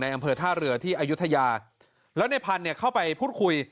ในอำเภอท่าเรือที่อายุธยาแล้วนายพันธุ์เข้าไปพูดคุย